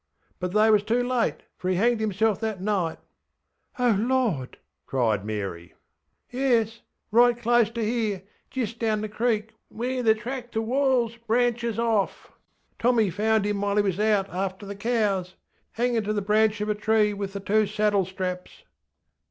But they was too late, for he hanged himself that night. ŌĆÖ ŌĆśO Lord! ŌĆÖ cried Mary. ŌĆśYes, right close to here, jist down the creek where the track to WallŌĆÖs branches off. Tommy found him while he was out after the cows. HanginŌĆÖ to the branch of a tree with the two saddle straps.